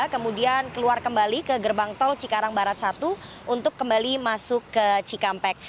kemudian keluar kembali ke gerbang tol cikarang barat satu untuk kembali masuk ke cikampek